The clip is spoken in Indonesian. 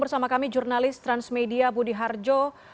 bersama kami jurnalis transmedia budi harjo